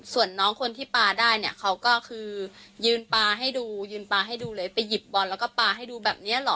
ส่วนน้องคนที่ปลาได้เนี่ยเขาก็คือยืนปลาให้ดูยืนปลาให้ดูเลยไปหยิบบอลแล้วก็ปลาให้ดูแบบเนี้ยเหรอ